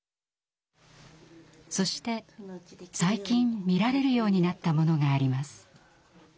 そして最近見られるようになったものがあります。